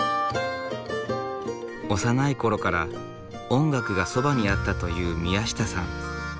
幼いころから音楽がそばにあったという宮下さん。